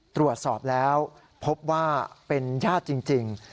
ตรวจสอบแล้วพบว่าเป็นญาติจริง